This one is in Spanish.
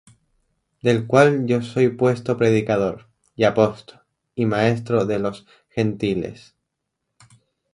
Del cual yo soy puesto predicador, y apóstol, y maestro de los Gentiles.